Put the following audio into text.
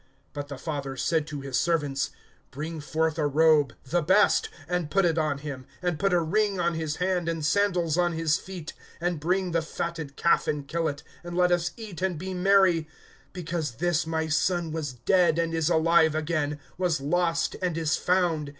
(22)But the father said to his servants: Bring forth a robe, the best, and put it on him; and put a ring on his hand, and sandals on his feet; (23)and bring the fatted calf, and kill it; and let us eat and be merry. (24)Because this my son was dead and is alive again, was lost and is found.